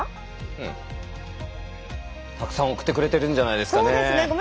たくさん送ってくれているんじゃないでしょうかね。